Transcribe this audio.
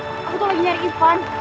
aku tuh lagi nyari ivan